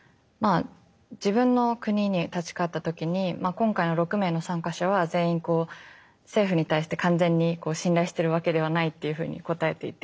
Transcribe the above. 自分の国に立ち返った時に今回の６名の参加者は全員政府に対して完全に信頼してるわけではないっていうふうに答えていて。